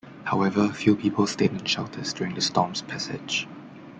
However, few people stayed in shelters during the storm's passage.